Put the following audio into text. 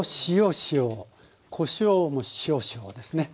こしょうも少々ですね。